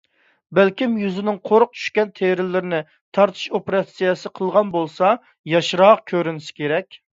بەلكىم يۈزىنىڭ قورۇق چۈشكەن تېرىلىرىنى تارتىش ئوپېراتسىيەسى قىلغان بولسا ياشراق كۆرۈنسە كېرەك.